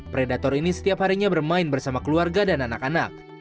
predator ini setiap harinya bermain bersama keluarga dan anak anak